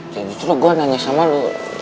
jadi itu gue nanya sama lo